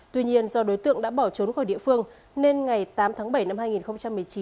tuy nhiên do đối tượng đã bỏ trốn khỏi địa phương nên ngày tám tháng bảy năm hai nghìn một mươi chín